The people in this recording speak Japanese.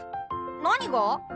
何が？